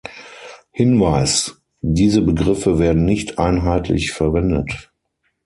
Hinweis: Diese Begriffe werden nicht einheitlich verwendet.